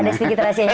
ada sedikit rahasianya